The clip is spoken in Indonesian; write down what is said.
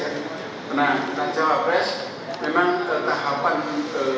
karena ini akan kita bahas setelah tahapan itu